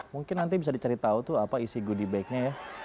mungkin nanti bisa dicari tahu tuh apa isi goodie bagnya ya